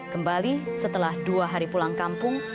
kembali setelah dua hari pulang kampung